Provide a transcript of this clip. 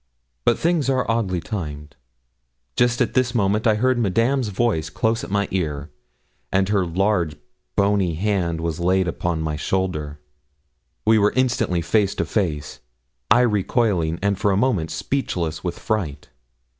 But things are oddly timed. Just at this moment I heard Madame's voice close at my ear, and her large bony hand was laid on my shoulder. We were instantly face to face I recoiling, and for a moment speechless with fright.